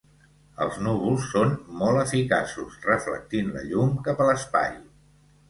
Els núvols són molt eficaços reflectint la llum cap a l'espai.